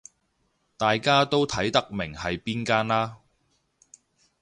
大家都睇得明係邊間啦